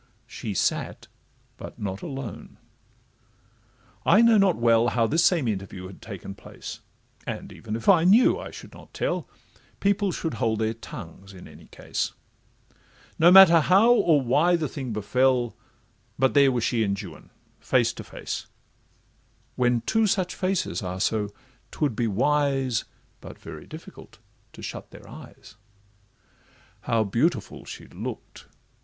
She sate, but not alone; I know not well How this same interview had taken place, And even if I knew, I should not tell— People should hold their tongues in any case; No matter how or why the thing befell, But there were she and Juan, face to face— When two such faces are so, 'twould be wise, But very difficult, to shut their eyes. How beautiful she look'd!